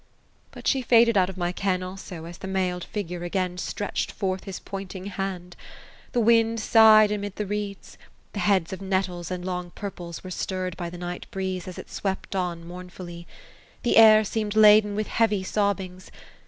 " But she faded out of my ken, also, as the mailed figure again stretched forth his pointing hand. The wind sighed amid the reeds. The heads of nettles and long purples were stirred by the night breeze, as it swept on mournfully. The air seemed laden with heavy sobbings.